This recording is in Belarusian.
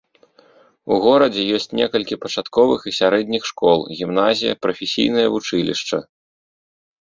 У горадзе ёсць некалькі пачатковых і сярэдніх школ, гімназія, прафесійнае вучылішча.